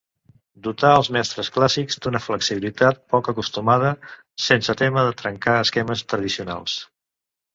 Dotà els metres clàssics d'una flexibilitat poc acostumada, sense témer de trencar esquemes tradicionals.